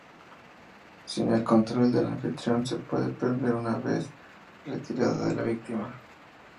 Sin el control del anfitrión se puede perder una vez retirada de la víctima.